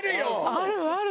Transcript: あるある。